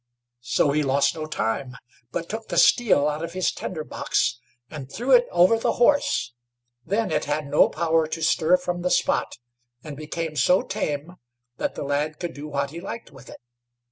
So he lost no time, but took the steel out of his tinder box, and threw it over the horse; then it had no power to stir from the spot, and became so tame that the lad could do what he liked with it.